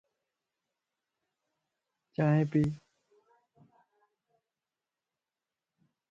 چائين پي